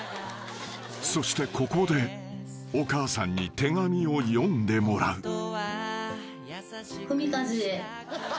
［そしてここでお母さんに手紙を読んでもらう］